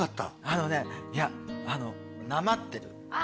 あのねいやあのなまってる？